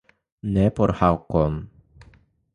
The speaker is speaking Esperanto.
Ne por Hakon.